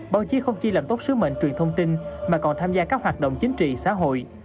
báo chí không chỉ làm tốt sứ mệnh truyền thông tin mà còn tham gia các hoạt động chính trị xã hội